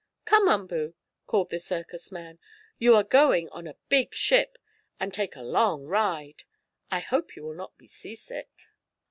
"Come, Umboo!" called the circus man. "You are going on a big ship, and take a long ride. I hope you will not be seasick."